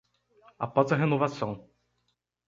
Após a renovação